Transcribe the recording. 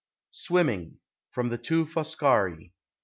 SWIMMING. FROM " THE TWO FOSCARI.